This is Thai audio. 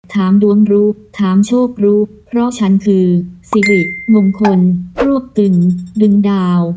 ถามดวงรู้ถามโชครู้เพราะฉันคือสิริมงคลรวบตึงดึงดาว